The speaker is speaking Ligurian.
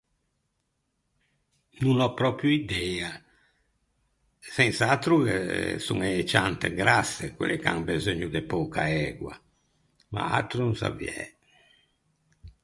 No n’ò pròpio idea. Sens’atro eh son e ciante grasse, quelle che an beseugno de pöca ægua, ma atro no saviæ.